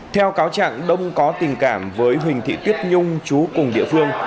theo cáo chẳng đông có tình cảm với huỳnh thị tiết nhung chú cùng địa phương